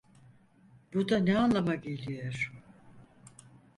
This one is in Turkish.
Bu da ne anlama geliyor?